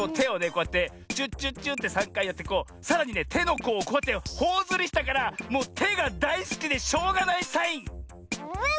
こうやってチュッチュッチュッて３かいやってこうさらにねてのこうをこうやってほおずりしたからもうてがだいすきでしょうがないサイン！